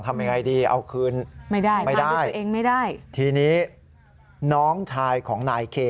ทำยังไงดีเอาคืนไม่ได้ทีนี้น้องชายของนายเค